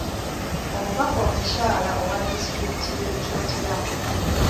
Omubaka omukyala owa diistrikt y’e Kyotera.